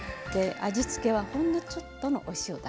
味付けはほんのちょっとのお塩だけです。